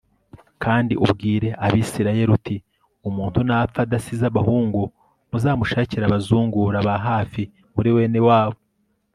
kandi ubwire abisirayeli uti “umuntu napfa adasize abahungu, muzamushakire abazungura ba hafi muri bene wabo